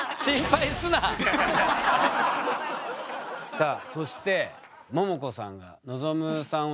さあそしてももこさんが望さんをですね